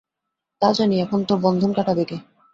তা জানি– এখন তোর বন্ধন কাটাবে কে?